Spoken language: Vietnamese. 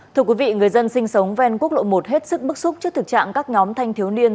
thưa quý vị người dân sinh sống ven quốc lộ một hết sức bức xúc trước thực trạng các nhóm thanh thiếu niên